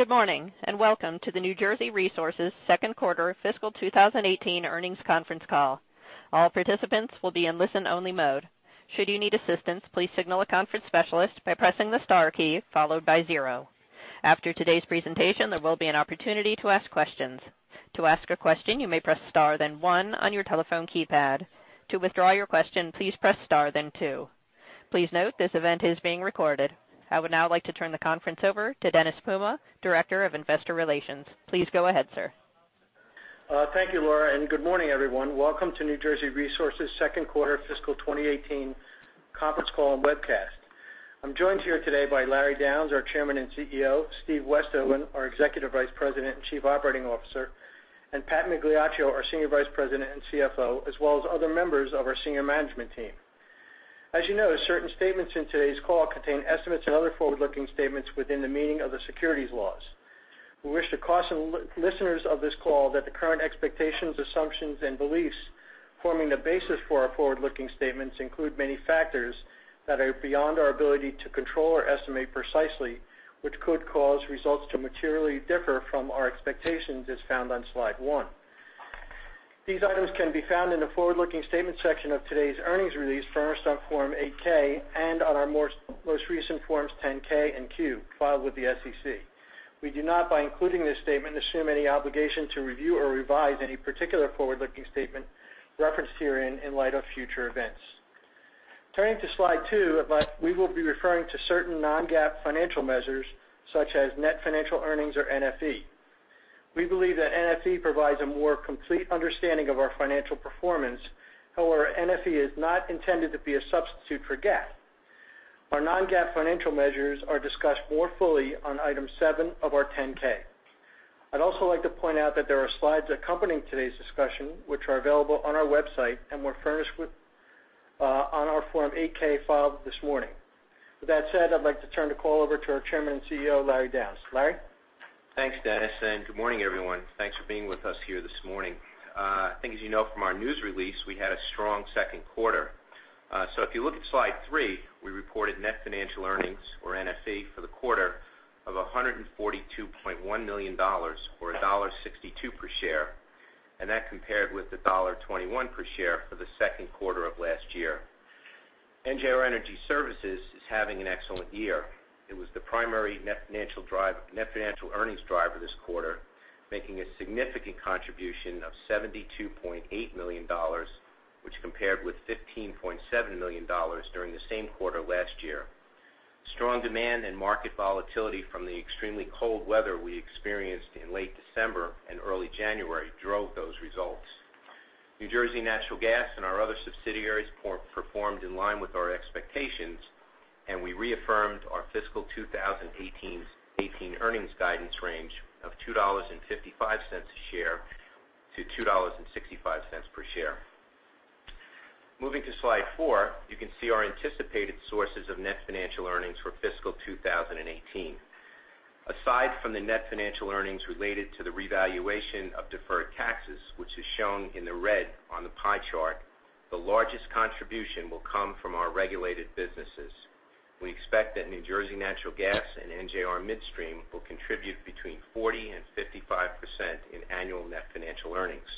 Good morning, welcome to the New Jersey Resources second quarter fiscal 2018 earnings conference call. All participants will be in listen-only mode. Should you need assistance, please signal a conference specialist by pressing the star key followed by zero. After today's presentation, there will be an opportunity to ask questions. To ask a question, you may press star then one on your telephone keypad. To withdraw your question, please press star, then two. Please note, this event is being recorded. I would now like to turn the conference over to Dennis Puma, Director of Investor Relations. Please go ahead, sir. Thank you, Laura, good morning, everyone. Welcome to New Jersey Resources second quarter fiscal 2018 conference call and webcast. I'm joined here today by Larry Downes, our Chairman and CEO, Steve Westhoven, our Executive Vice President and Chief Operating Officer, and Pat Migliaccio, our Senior Vice President and CFO, as well as other members of our senior management team. As you know, certain statements in today's call contain estimates and other forward-looking statements within the meaning of the securities laws. We wish to caution listeners of this call that the current expectations, assumptions, and beliefs forming the basis for our forward-looking statements include many factors that are beyond our ability to control or estimate precisely, which could cause results to materially differ from our expectations as found on slide one. These items can be found in the forward-looking statement section of today's earnings release, furnished on Form 8-K, and on our most recent Forms 10-K and Q filed with the SEC. We do not, by including this statement, assume any obligation to review or revise any particular forward-looking statement referenced herein in light of future events. Turning to slide two, we will be referring to certain non-GAAP financial measures, such as net financial earnings, or NFE. We believe that NFE provides a more complete understanding of our financial performance. However, NFE is not intended to be a substitute for GAAP. Our non-GAAP financial measures are discussed more fully on item seven of our 10-K. I'd also like to point out that there are slides accompanying today's discussion, which are available on our website and were furnished on our Form 8-K filed this morning. With that said, I'd like to turn the call over to our Chairman and CEO, Larry Downes. Larry? Thanks, Dennis, good morning, everyone. Thanks for being with us here this morning. I think as you know from our news release, we had a strong second quarter. If you look at slide three, we reported net financial earnings, or NFE, for the quarter of $142.1 million, or $1.62 per share. That compared with the $1.21 per share for the second quarter of last year. NJR Energy Services is having an excellent year. It was the primary net financial earnings driver this quarter, making a significant contribution of $72.8 million, which compared with $15.7 million during the same quarter last year. Strong demand and market volatility from the extremely cold weather we experienced in late December and early January drove those results. New Jersey Natural Gas and our other subsidiaries performed in line with our expectations. We reaffirmed our fiscal 2018 earnings guidance range of $2.55-$2.65 per share. Moving to slide four, you can see our anticipated sources of net financial earnings for fiscal 2018. Aside from the net financial earnings related to the revaluation of deferred taxes, which is shown in the red on the pie chart, the largest contribution will come from our regulated businesses. We expect that New Jersey Natural Gas and NJR Midstream will contribute between 40%-55% in annual net financial earnings.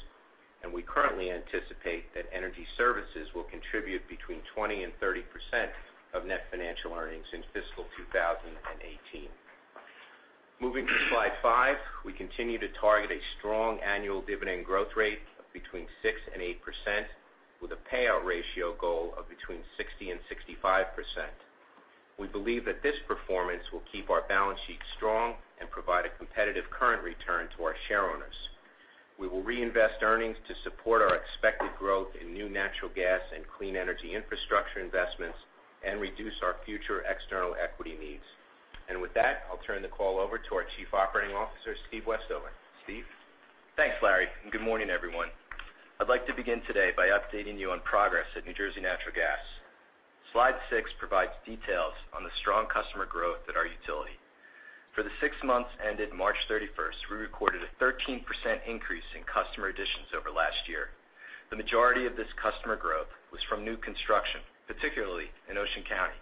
We currently anticipate that Energy Services will contribute between 20%-30% of net financial earnings in fiscal 2018. Moving to slide five, we continue to target a strong annual dividend growth rate of between 6%-8%, with a payout ratio goal of between 60%-65%. We believe that this performance will keep our balance sheet strong and provide a competitive current return to our share owners. We will reinvest earnings to support our expected growth in new natural gas and clean energy infrastructure investments and reduce our future external equity needs. With that, I'll turn the call over to our Chief Operating Officer, Steve Westhoven. Steve? Thanks, Larry, good morning, everyone. I'd like to begin today by updating you on progress at New Jersey Natural Gas. Slide six provides details on the strong customer growth at our utility. For the six months ended March 31st, we recorded a 13% increase in customer additions over last year. The majority of this customer growth was from new construction, particularly in Ocean County.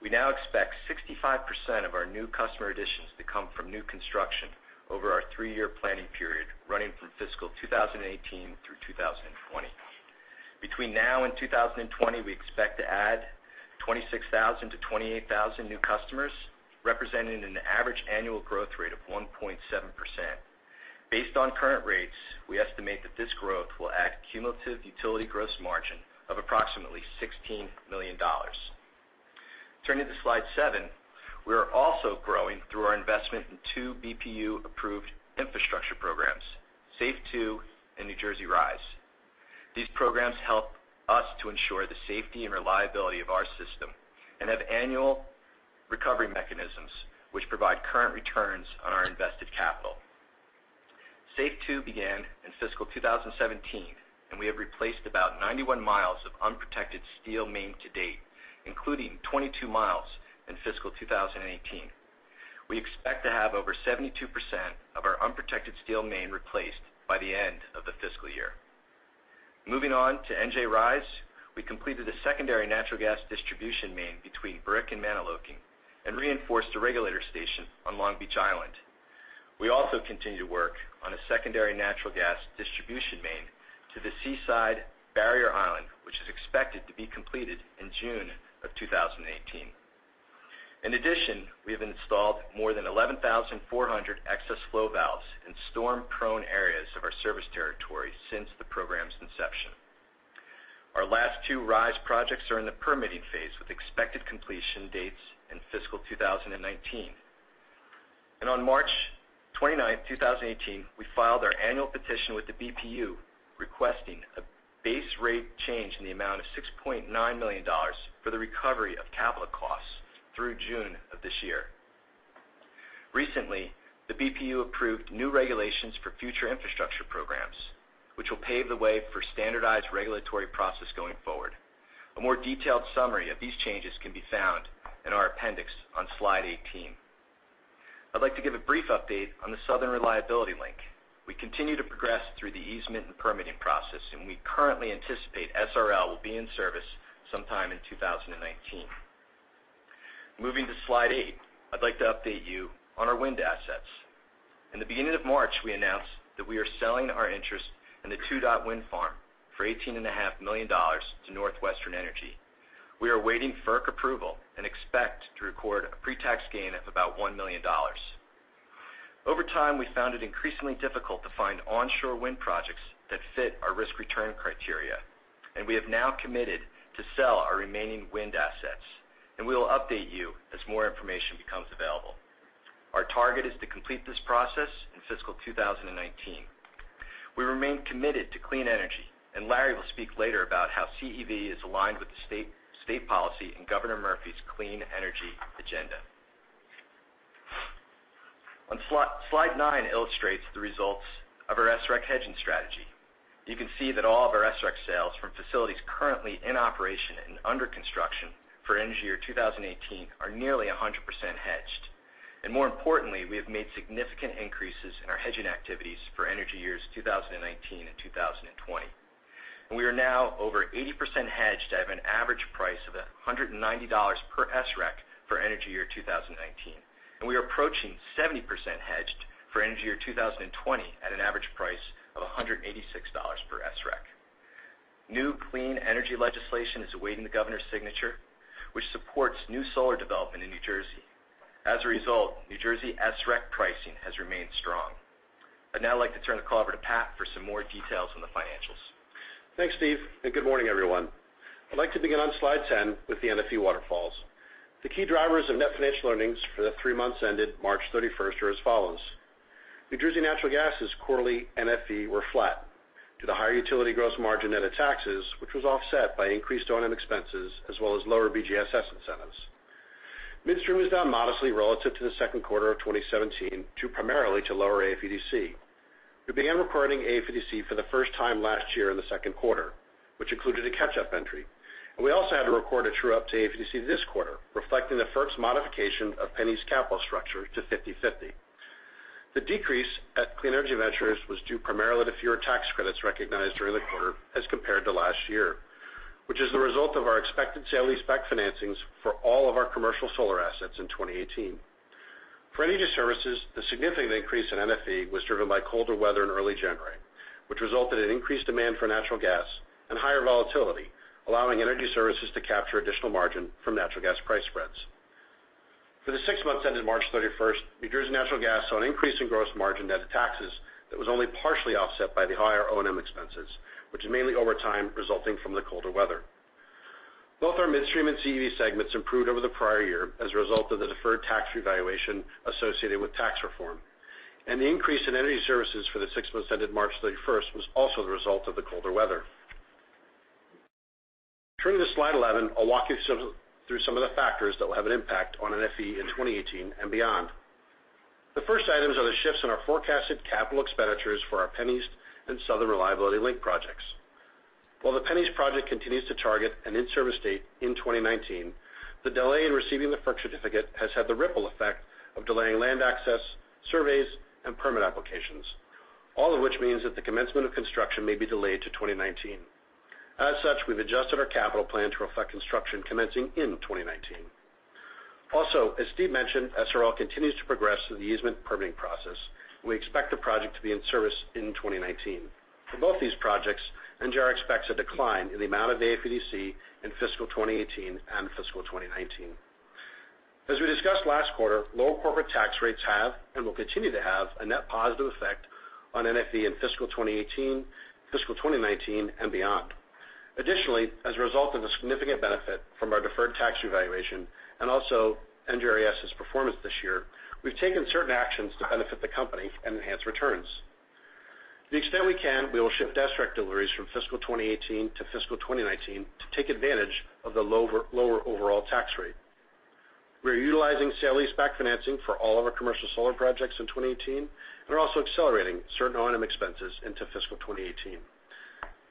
We now expect 65% of our new customer additions to come from new construction over our three-year planning period, running from fiscal 2018 through 2020. Between now and 2020, we expect to add 26,000-28,000 new customers, representing an average annual growth rate of 1.7%. Based on current rates, we estimate that this growth will add cumulative utility gross margin of approximately $16 million. Turning to slide seven, we are also growing through our investment in two BPU-approved infrastructure programs, SAFE 2 and NJ RISE. These programs help us to ensure the safety and reliability of our system and have annual recovery mechanisms, which provide current returns on our invested capital. SAFE 2 began in fiscal 2017, we have replaced about 91 miles of unprotected steel main to date, including 22 miles in fiscal 2018. We expect to have over 72% of our unprotected steel main replaced by the end of the fiscal year. Moving on to NJ RISE. We completed a secondary natural gas distribution main between Brick and Manahawkin and reinforced a regulator station on Long Beach Island. We also continue to work on a secondary natural gas distribution main to the seaside barrier island, which is expected to be completed in June of 2018. In addition, we have installed more than 11,400 excess flow valves in storm-prone areas of our service territory since the program's inception. Our last two RISE projects are in the permitting phase, with expected completion dates in fiscal 2019. On March 29th, 2018, we filed our annual petition with the BPU, requesting a base rate change in the amount of $6.9 million for the recovery of capital costs through June of this year. Recently, the BPU approved new regulations for future infrastructure programs, which will pave the way for standardized regulatory process going forward. A more detailed summary of these changes can be found in our appendix on slide 18. I'd like to give a brief update on the Southern Reliability Link. We continue to progress through the easement and permitting process, we currently anticipate SRL will be in service sometime in 2019. Moving to slide eight. I'd like to update you on our wind assets. In the beginning of March, we announced that we are selling our interest in the Two Dot Wind Farm for $18.5 million to NorthWestern Energy. We are awaiting FERC approval and expect to record a pre-tax gain of about $1 million. Over time, we found it increasingly difficult to find onshore wind projects that fit our risk-return criteria, we have now committed to sell our remaining wind assets. We will update you as more information becomes available. Our target is to complete this process in fiscal 2019. We remain committed to clean energy, Larry will speak later about how CEV is aligned with the state policy and Governor Murphy's clean energy agenda. Slide nine illustrates the results of our SREC hedging strategy. You can see that all of our SREC sales from facilities currently in operation and under construction for energy year 2018 are nearly 100% hedged. More importantly, we have made significant increases in our hedging activities for energy years 2019 and 2020. We are now over 80% hedged at an average price of $190 per SREC for energy year 2019. We are approaching 70% hedged for energy year 2020, at an average price of $186 per SREC. New clean energy legislation is awaiting the governor's signature, which supports new solar development in New Jersey. As a result, New Jersey SREC pricing has remained strong. I'd now like to turn the call over to Pat for some more details on the financials. Thanks, Steve, and good morning, everyone. I'd like to begin on slide 10 with the NFE waterfalls. The key drivers of net financial earnings for the three months ended March 31st are as follows. New Jersey Natural Gas's quarterly NFE were flat due to the higher utility gross margin net of taxes, which was offset by increased O&M expenses as well as lower BGSS incentives. NJR Midstream was down modestly relative to the second quarter of 2017, due primarily to lower AFDC. We began recording AFDC for the first time last year in the second quarter, which included a catch-up entry. We also had to record a true-up to AFDC this quarter, reflecting the first modification of PennEast's capital structure to 50/50. The decrease at NJR Clean Energy Ventures was due primarily to fewer tax credits recognized during the quarter as compared to last year, which is the result of our expected sale-leaseback financings for all of our commercial solar assets in 2018. For NJR Energy Services, the significant increase in NFE was driven by colder weather in early January, which resulted in increased demand for natural gas and higher volatility, allowing NJR Energy Services to capture additional margin from natural gas price spreads. For the six months ended March 31st, New Jersey Natural Gas saw an increase in gross margin net of taxes that was only partially offset by the higher O&M expenses, which is mainly overtime resulting from the colder weather. Both our NJR Midstream and CEV segments improved over the prior year as a result of the deferred tax revaluation associated with tax reform. The increase in NJR Energy Services for the six months ended March 31st was also the result of the colder weather. Turning to slide 11, I'll walk you through some of the factors that will have an impact on NFE in 2018 and beyond. The first items are the shifts in our forecasted capital expenditures for our PennEast and Southern Reliability Link projects. While the PennEast project continues to target an in-service date in 2019, the delay in receiving the FERC certificate has had the ripple effect of delaying land access, surveys, and permit applications. All of which means that the commencement of construction may be delayed to 2019. As such, we've adjusted our capital plan to reflect construction commencing in 2019. Also, as Steve mentioned, SRL continues to progress through the easement and permitting process. We expect the project to be in service in 2019. For both these projects, NJR expects a decline in the amount of AFDC in fiscal 2018 and fiscal 2019. As we discussed last quarter, low corporate tax rates have and will continue to have a net positive effect on NFE in fiscal 2018, fiscal 2019, and beyond. Additionally, as a result of the significant benefit from our deferred tax revaluation and also NJRES's performance this year, we've taken certain actions to benefit the company and enhance returns. To the extent we can, we will shift SREC deliveries from fiscal 2018 to fiscal 2019 to take advantage of the lower overall tax rate. We are utilizing sale-leaseback financing for all of our commercial solar projects in 2018 and are also accelerating certain O&M expenses into fiscal 2018.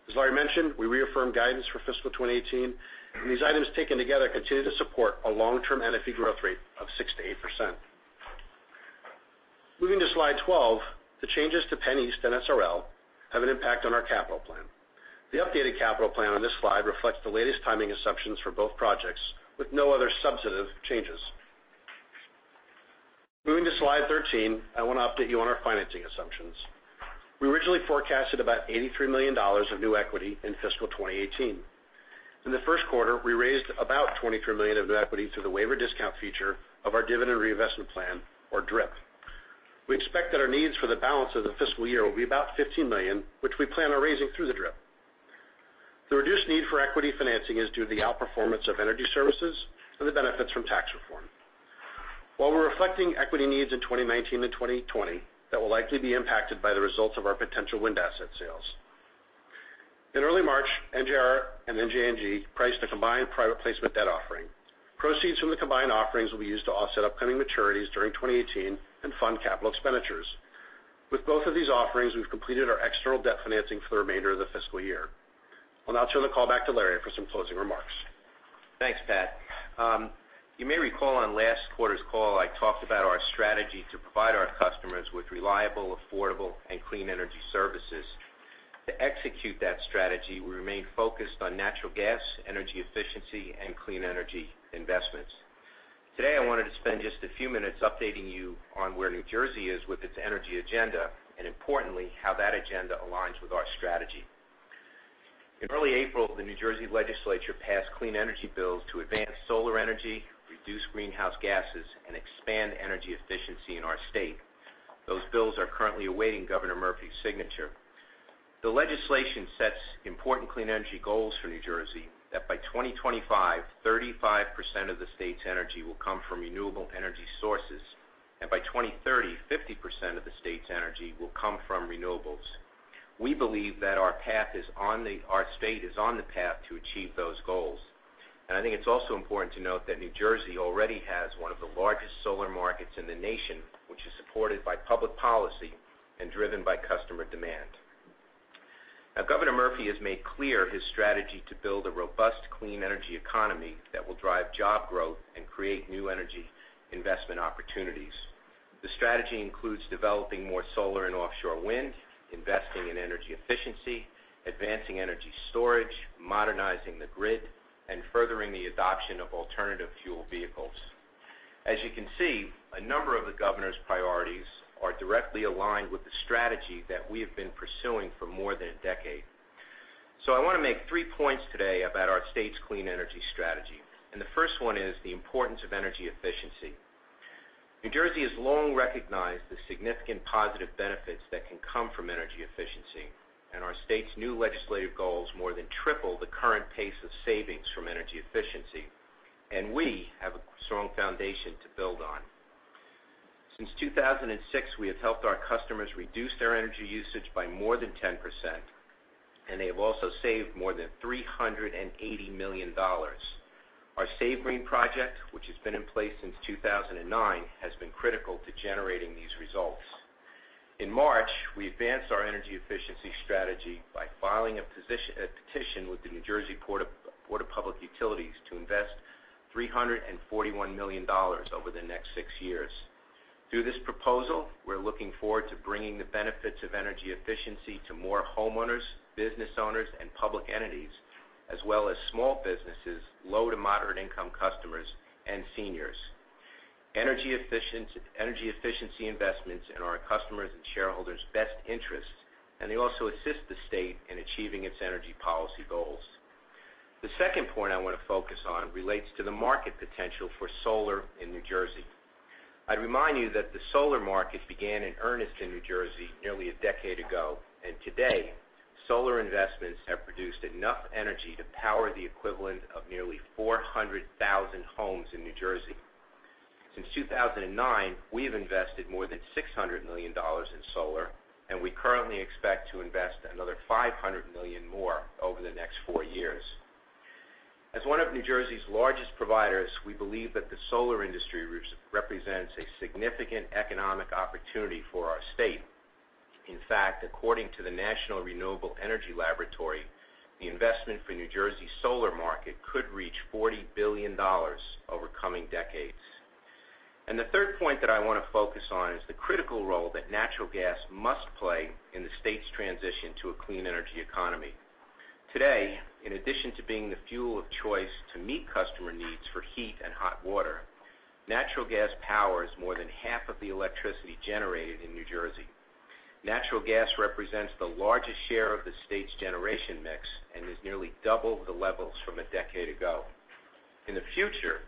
As Larry mentioned, we reaffirm guidance for fiscal 2018, and these items taken together continue to support a long-term NFE growth rate of 6%-8%. Moving to slide 12, the changes to PennEast and SRL have an impact on our capital plan. The updated capital plan on this slide reflects the latest timing assumptions for both projects, with no other substantive changes. Moving to slide 13, I want to update you on our financing assumptions. We originally forecasted about $83 million of new equity in fiscal 2018. In the first quarter, we raised about $23 million of new equity through the waiver discount feature of our dividend reinvestment plan or DRIP. We expect that our needs for the balance of the fiscal year will be about $15 million, which we plan on raising through the DRIP. The reduced need for equity financing is due to the outperformance of energy services and the benefits from tax reform. While we're reflecting equity needs in 2019 and 2020, that will likely be impacted by the results of our potential wind asset sales. In early March, NJR and NJNG priced a combined private placement debt offering. Proceeds from the combined offerings will be used to offset upcoming maturities during 2018 and fund capital expenditures. With both of these offerings, we've completed our external debt financing for the remainder of the fiscal year. I'll now turn the call back to Larry for some closing remarks. Thanks, Pat. You may recall on last quarter's call, I talked about our strategy to provide our customers with reliable, affordable and clean energy services. To execute that strategy, we remain focused on natural gas, energy efficiency, and clean energy investments. Today, I wanted to spend just a few minutes updating you on where New Jersey is with its energy agenda, and importantly, how that agenda aligns with our strategy. In early April, the New Jersey legislature passed clean energy bills to advance solar energy, reduce greenhouse gases, and expand energy efficiency in our state. Those bills are currently awaiting Phil Murphy's signature. The legislation sets important clean energy goals for New Jersey that by 2025, 35% of the state's energy will come from renewable energy sources, and by 2030, 50% of the state's energy will come from renewables. We believe that our state is on the path to achieve those goals. I think it's also important to note that New Jersey already has one of the largest solar markets in the nation, which is supported by public policy and driven by customer demand. Phil Murphy has made clear his strategy to build a robust clean energy economy that will drive job growth and create new energy investment opportunities. The strategy includes developing more solar and offshore wind, investing in energy efficiency, advancing energy storage, modernizing the grid, and furthering the adoption of alternative fuel vehicles. As you can see, a number of the Governor's priorities are directly aligned with the strategy that we have been pursuing for more than a decade. I want to make three points today about our state's clean energy strategy, and the first one is the importance of energy efficiency. New Jersey has long recognized the significant positive benefits that can come from energy efficiency, our state's new legislative goals more than triple the current pace of savings from energy efficiency. We have a strong foundation to build on. Since 2006, we have helped our customers reduce their energy usage by more than 10%, and they have also saved more than $380 million. Our SAVEGREEN Project, which has been in place since 2009, has been critical to generating these results. In March, we advanced our energy efficiency strategy by filing a petition with the New Jersey Board of Public Utilities to invest $341 million over the next six years. Through this proposal, we're looking forward to bringing the benefits of energy efficiency to more homeowners, business owners, and public entities, as well as small businesses, low to moderate income customers, and seniors. Energy efficiency investments in our customers' and shareholders' best interests, they also assist the state in achieving its energy policy goals. The second point I want to focus on relates to the market potential for solar in New Jersey. I'd remind you that the solar market began in earnest in New Jersey nearly a decade ago, and today, solar investments have produced enough energy to power the equivalent of nearly 400,000 homes in New Jersey. Since 2009, we have invested more than $600 million in solar, and we currently expect to invest another $500 million more over the next four years. As one of New Jersey's largest providers, we believe that the solar industry represents a significant economic opportunity for our state. In fact, according to the National Renewable Energy Laboratory, the investment for New Jersey's solar market could reach $40 billion over coming decades. The third point that I want to focus on is the critical role that natural gas must play in the state's transition to a clean energy economy. Today, in addition to being the fuel of choice to meet customer needs for heat and hot water, natural gas powers more than half of the electricity generated in New Jersey. Natural gas represents the largest share of the state's generation mix and is nearly double the levels from a decade ago. In the future,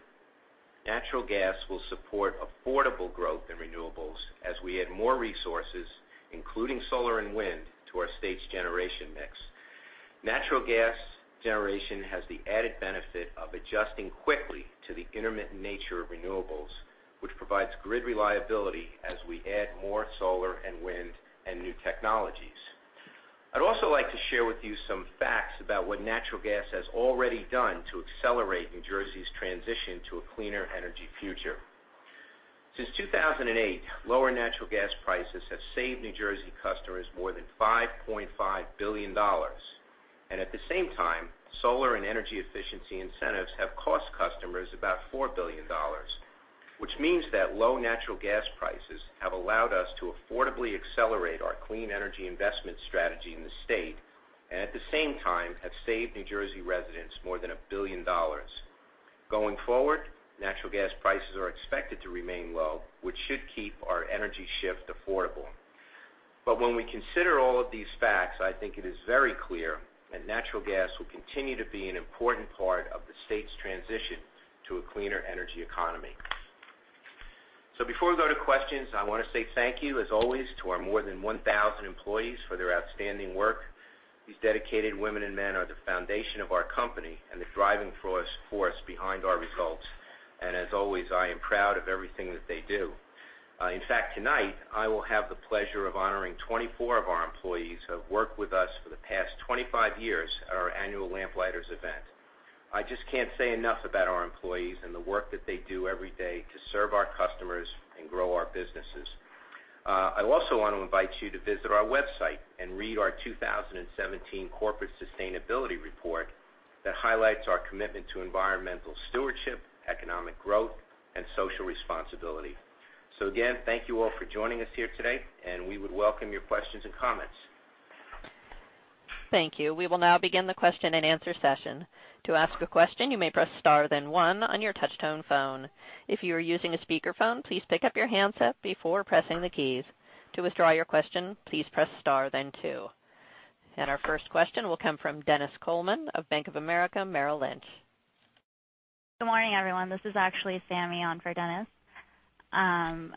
natural gas will support affordable growth in renewables as we add more resources, including solar and wind, to our state's generation mix. Natural gas generation has the added benefit of adjusting quickly to the intermittent nature of renewables, which provides grid reliability as we add more solar and wind and new technologies. I'd also like to share with you some facts about what natural gas has already done to accelerate New Jersey's transition to a cleaner energy future. Since 2008, lower natural gas prices have saved New Jersey customers more than $5.5 billion. At the same time, solar and energy efficiency incentives have cost customers about $4 billion, which means that low natural gas prices have allowed us to affordably accelerate our clean energy investment strategy in the state, and at the same time, have saved New Jersey residents more than $1 billion. Going forward, natural gas prices are expected to remain low, which should keep our energy shift affordable. When we consider all of these facts, I think it is very clear that natural gas will continue to be an important part of the state's transition to a cleaner energy economy. Before we go to questions, I want to say thank you, as always, to our more than 1,000 employees for their outstanding work. These dedicated women and men are the foundation of our company and the driving force behind our results. As always, I am proud of everything that they do. In fact, tonight, I will have the pleasure of honoring 24 of our employees who have worked with us for the past 25 years at our annual Lamplighters event. I just can't say enough about our employees and the work that they do every day to serve our customers and grow our businesses. I also want to invite you to visit our website and read our 2017 corporate sustainability report that highlights our commitment to environmental stewardship, economic growth, and social responsibility. Again, thank you all for joining us here today. We would welcome your questions and comments. Thank you. We will now begin the question and answer session. To ask a question, you may press star then one on your touch tone phone. If you are using a speakerphone, please pick up your handset before pressing the keys. To withdraw your question, please press star then two. Our first question will come from Dennis Coleman of Bank of America Merrill Lynch. Good morning, everyone. This is actually Sammy on for Dennis. Good morning,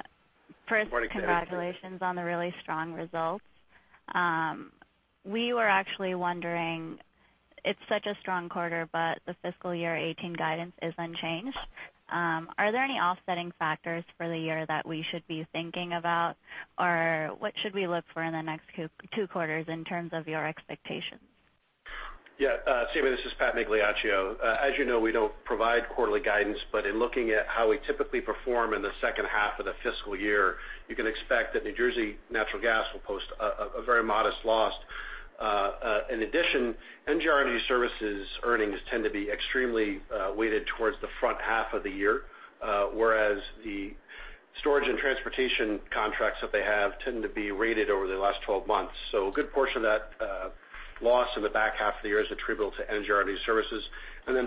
Sammy. Congratulations on the really strong results. We were actually wondering, it is such a strong quarter, but the fiscal year 2018 guidance is unchanged. Are there any offsetting factors for the year that we should be thinking about? Or what should we look for in the next two quarters in terms of your expectations? Sammy, this is Pat Migliaccio. As you know, we don't provide quarterly guidance, but in looking at how we typically perform in the second half of the fiscal year, you can expect that New Jersey Natural Gas will post a very modest loss. In addition, NJR Energy Services earnings tend to be extremely weighted towards the front half of the year, whereas the storage and transportation contracts that they have tend to be rated over the last 12 months. A good portion of that loss in the back half of the year is attributable to NJR Energy Services.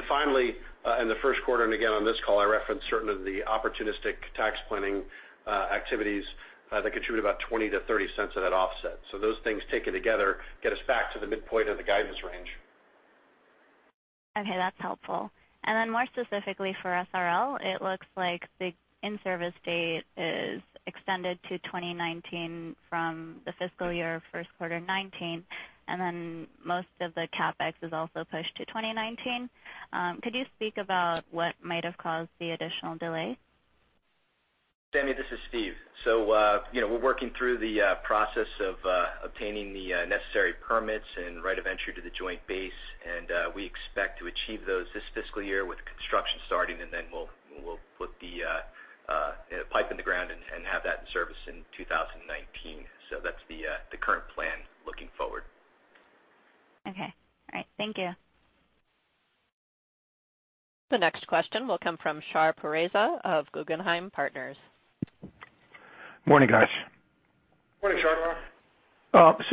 Finally, in the first quarter, on this call, I referenced certain of the opportunistic tax planning activities that contribute about $0.20 to $0.30 of that offset. Those things taken together get us back to the midpoint of the guidance range. That is helpful. More specifically for SRL, it looks like the in-service date is extended to 2019 from the fiscal year first quarter 2019, most of the CapEx is also pushed to 2019. Could you speak about what might have caused the additional delay? Sammy, this is Steve. We're working through the process of obtaining the necessary permits and right of entry to the joint base. We expect to achieve those this fiscal year with construction starting. We'll put the pipe in the ground and have that in service in 2019. That's the current plan looking forward. Okay. All right. Thank you. The next question will come from Shahriar Pourreza of Guggenheim Partners. Morning, guys. Morning, Shar.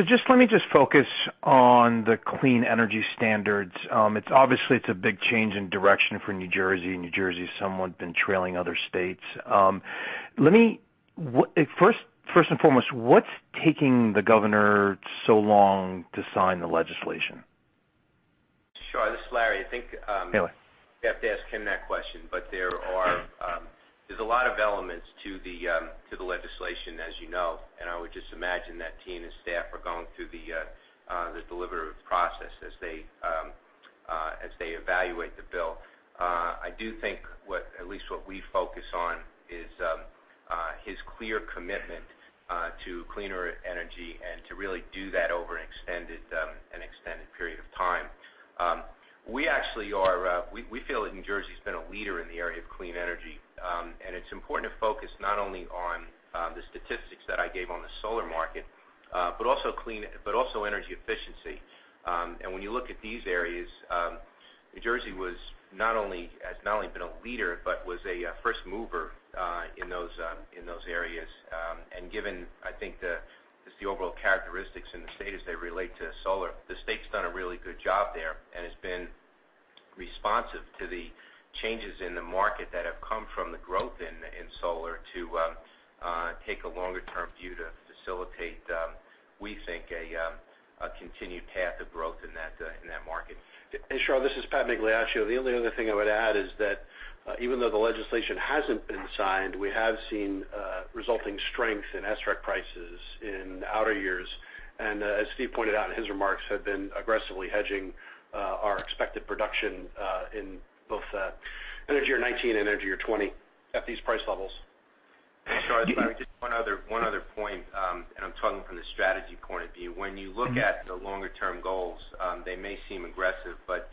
Just let me focus on the clean energy standards. Obviously, it's a big change in direction for New Jersey. New Jersey has somewhat been trailing other states. First and foremost, what's taking the Governor so long to sign the legislation? Shar, this is Larry. I think. Hey, Larry. You have to ask him that question. There is a lot of elements to the legislation, as you know, and I would just imagine that he and his staff are going through the deliberative process as they evaluate the bill. I do think at least what we focus on is his clear commitment to cleaner energy and to really do that over an extended period of time. We feel that New Jersey has been a leader in the area of clean energy, and it is important to focus not only on the statistics that I gave on the solar market, but also energy efficiency. When you look at these areas, New Jersey has not only been a leader but was a first mover in those areas. Given, I think, just the overall characteristics in the state as they relate to solar, the state has done a really good job there and has been responsive to the changes in the market that have come from the growth in solar to take a longer-term view to facilitate, we think, a continued path of growth in that market. Shar, this is Pat Migliaccio. The only other thing I would add is that even though the legislation hasn't been signed, we have seen resulting strength in SREC prices in outer years. As Steve pointed out in his remarks, have been aggressively hedging our expected production in both energy year 2019 and energy year 2020 at these price levels. Shar, Larry, just one other point, I am talking from the strategy point of view. When you look at the longer-term goals, they may seem aggressive, but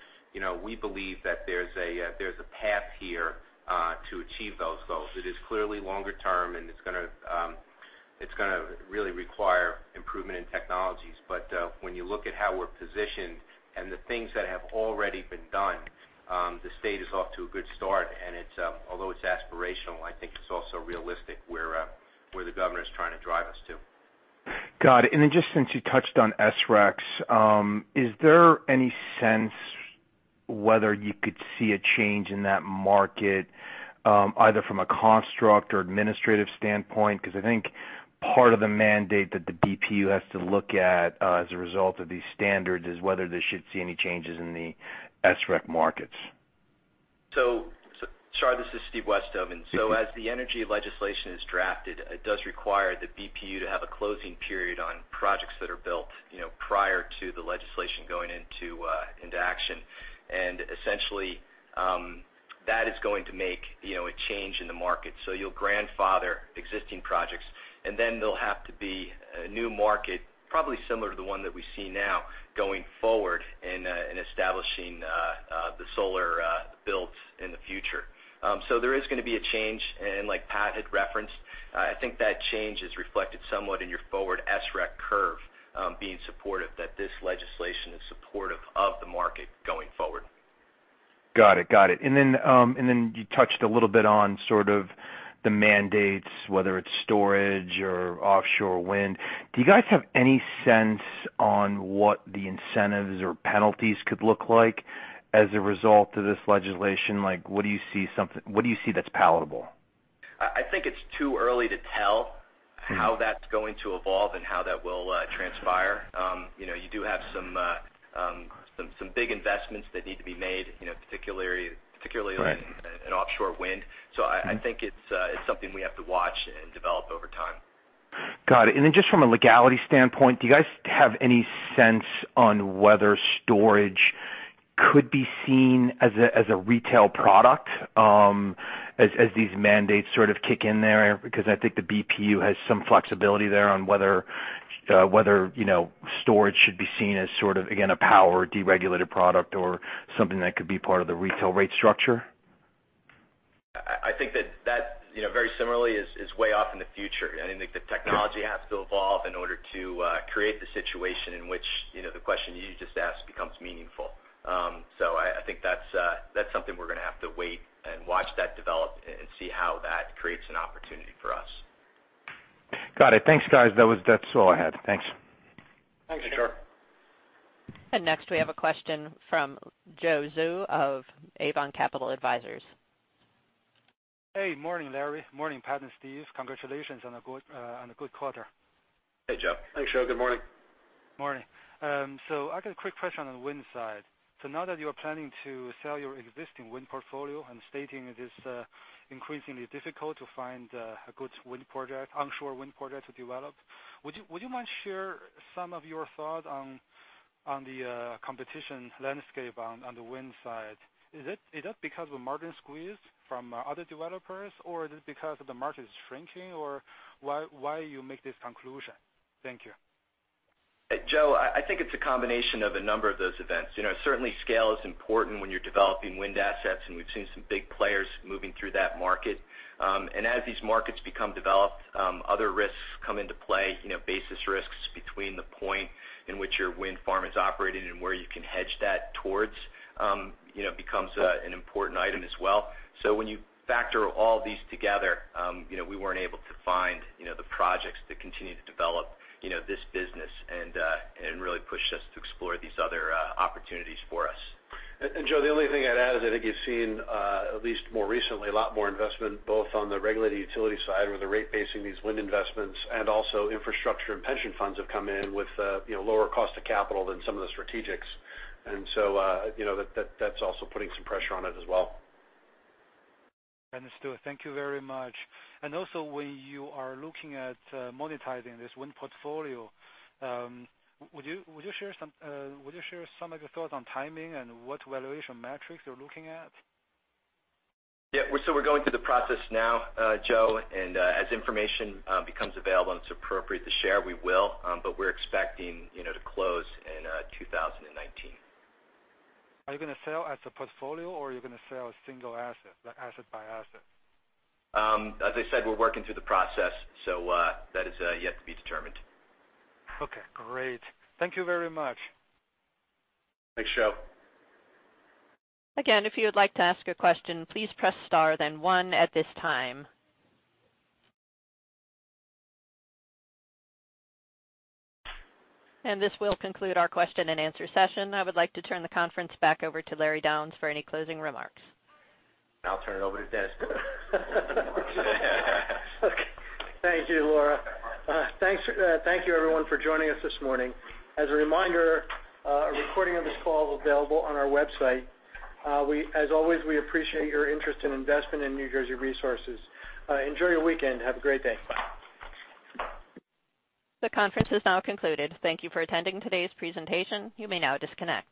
we believe that there is a path here to achieve those goals. It is clearly longer term, and it is going to It's going to really require improvement in technologies. When you look at how we're positioned and the things that have already been done, the state is off to a good start. Although it's aspirational, I think it's also realistic where the governor is trying to drive us to. Got it. Just since you touched on SRECs, is there any sense whether you could see a change in that market, either from a construct or administrative standpoint? Because I think part of the mandate that the BPU has to look at as a result of these standards is whether they should see any changes in the SREC markets. Sorry, this is Stephen Westhoven. As the energy legislation is drafted, it does require the BPU to have a closing period on projects that are built prior to the legislation going into action. Essentially, that is going to make a change in the market. You'll grandfather existing projects, and then there'll have to be a new market, probably similar to the one that we see now, going forward in establishing the solar builds in the future. There is going to be a change, and like Pat had referenced, I think that change is reflected somewhat in your forward SREC curve being supportive that this legislation is supportive of the market going forward. Got it. You touched a little bit on sort of the mandates, whether it's storage or offshore wind. Do you guys have any sense on what the incentives or penalties could look like as a result of this legislation? What do you see that's palatable? I think it's too early to tell how that's going to evolve and how that will transpire. You do have some big investments that need to be made, particularly- Right in offshore wind. I think it's something we have to watch and develop over time. Got it. Just from a legality standpoint, do you guys have any sense on whether storage could be seen as a retail product as these mandates sort of kick in there? Because I think the BPU has some flexibility there on whether storage should be seen as sort of, again, a power deregulated product or something that could be part of the retail rate structure. I think that, very similarly, is way off in the future. I think the technology has to evolve in order to create the situation in which the question you just asked becomes meaningful. I think that's something we're going to have to wait and watch that develop and see how that creates an opportunity for us. Got it. Thanks, guys. That's all I had. Thanks. Thanks, Joe. Next we have a question from Joe Zhu of Avon Capital Advisors. Hey, morning, Larry. Morning, Pat and Steve. Congratulations on a good quarter. Hey, Joe. Thanks, Joe. Good morning. Morning. I got a quick question on the wind side. Now that you're planning to sell your existing wind portfolio and stating it is increasingly difficult to find a good onshore wind project to develop, would you mind sharing some of your thoughts on the competition landscape on the wind side? Is it because of margin squeeze from other developers, or is it because of the market is shrinking? Why you make this conclusion? Thank you. Joe, I think it's a combination of a number of those events. Certainly scale is important when you're developing wind assets, and we've seen some big players moving through that market. As these markets become developed, other risks come into play. Basis risks between the point in which your wind farm is operating and where you can hedge that towards becomes an important item as well. When you factor all these together, we weren't able to find the projects to continue to develop this business and really pushed us to explore these other opportunities for us. Joe, the only thing I'd add is I think you've seen, at least more recently, a lot more investment, both on the regulated utility side with the rate-basing these wind investments, also infrastructure and pension funds have come in with lower cost of capital than some of the strategics. That's also putting some pressure on it as well. Understood. Thank you very much. Also, when you are looking at monetizing this wind portfolio, would you share some of your thoughts on timing and what valuation metrics you're looking at? Yeah. We're going through the process now, Joe, as information becomes available, and it's appropriate to share, we will. We're expecting to close in 2019. Are you going to sell as a portfolio or are you going to sell single asset, like asset by asset? As I said, we're working through the process, so that is yet to be determined. Okay, great. Thank you very much. Thanks, Joe. Again, if you would like to ask a question, please press star then one at this time. This will conclude our question and answer session. I would like to turn the conference back over to Larry Downes for any closing remarks. I'll turn it over to Dennis. Okay. Thank you, Laura. Thank you everyone for joining us this morning. As a reminder, a recording of this call is available on our website. As always, we appreciate your interest and investment in New Jersey Resources. Enjoy your weekend. Have a great day. Bye. The conference is now concluded. Thank you for attending today's presentation. You may now disconnect.